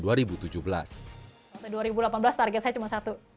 sampai dua ribu delapan belas target saya cuma satu